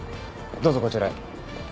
どうぞこちらへ。